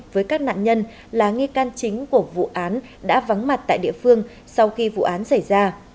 với các nạn nhân là nghi can chính của vụ án đã vắng mặt tại địa phương sau khi vụ án xảy ra